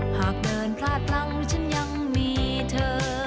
หากเดินพลาดหลังฉันยังมีเธอ